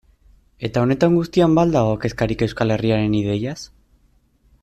Eta honetan guztian ba al dago kezkarik Euskal Herriaren ideiaz?